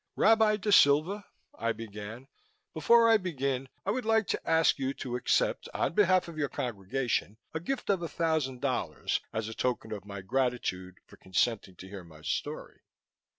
"Rabbi Da Silva," I began, "before I begin I would like to ask you to accept on behalf of your congregation a gift of a thousand dollars as a token of my gratitude for consenting to hear my story.